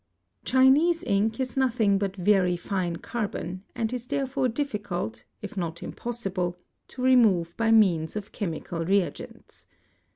Chinese ink is nothing but very fine carbon, and is therefore difficult, if not impossible, to remove by means of chemical reagents.